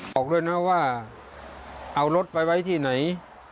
บอกด้วยนะว่าเอารถไปไว้ที่ไหน